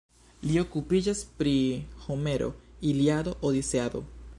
Li okupiĝas pri Homero, Iliado, Odiseado.